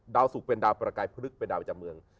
สุกเป็นดาวประกายพลึกเป็นดาวประจำเมือง